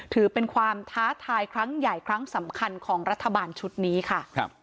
ถือเป็นความท้าทายครั้งใหญ่ครั้งสำคัญของรัฐบาลชุดนี้ค่ะ